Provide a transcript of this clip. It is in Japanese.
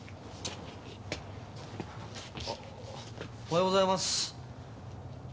おはようございます。